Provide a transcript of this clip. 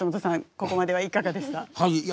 ここまではいかがでした？